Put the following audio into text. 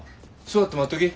座って待っとき。